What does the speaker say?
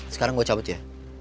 sekarang gue cabut ya